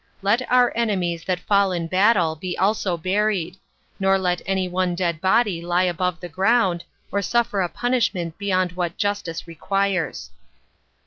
Let our enemies that fall in battle be also buried; nor let any one dead body lie above the ground, or suffer a punishment beyond what justice requires.